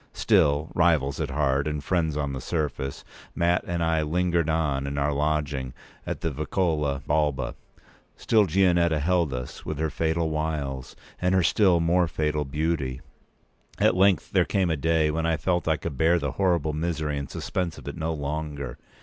Still, rivals at heart and friends on the surface, Mat and I lingered on in our lodging in the Vicolo Balba. Still Gianetta held us with her fatal wiles and her still more fatal beauty. At length there came a day when I felt I could bear the horrible misery and suspense of it no longer.